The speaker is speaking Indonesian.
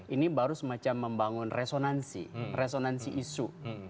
ini baru semacam membangun resonansi resonansi isu